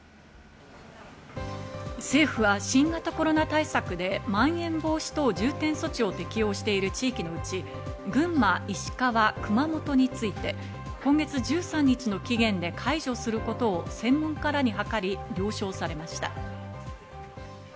政府は新型コロナ対策でまん延防止等重点措置を適用している地域のうち、群馬、石川、熊本について今月１３日の期限で解除することを専門家らに諮り了承されました。